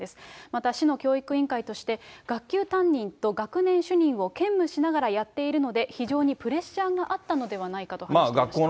また、市の教育委員会として、学級担任と学年主任を兼務しながらやっているので、非常にプレッシャーがあったのではないかと話していました。